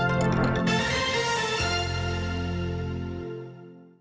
วันนี้ทางไปก่อนนะครับสวัสดีครับสวัสดีค่ะ